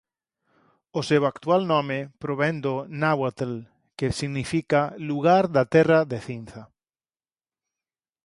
O seu actual nome provén do náhuatl que significa "lugar da terra de cinza".